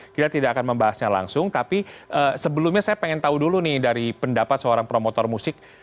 kita tidak akan membahasnya langsung tapi sebelumnya saya ingin tahu dulu nih dari pendapat seorang promotor musik